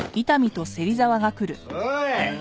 おい！